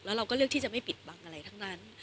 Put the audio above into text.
เราก็เลือกที่จะไม่ปิดบังอะไรทั้งนั้น